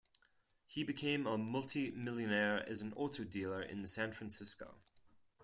He became a multi-millionaire as an auto dealer in San Francisco.